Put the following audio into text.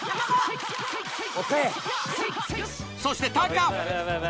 そしてタカ。